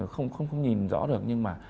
không nhìn rõ được nhưng mà